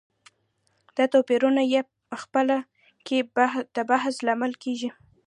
دا توپيرونه یې خپله کې د بحث لامل کېږي.